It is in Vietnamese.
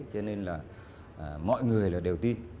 cho nên là mọi người là đều tin